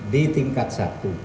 di tingkat satu